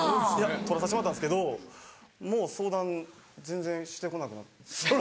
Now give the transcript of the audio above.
撮らさせてもらったんですけどもう相談全然してこなく。